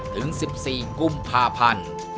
ถึง๑๔กุมภาพันธ์